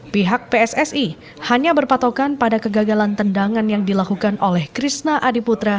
pihak pssi hanya berpatokan pada kegagalan tendangan yang dilakukan oleh krishna adiputra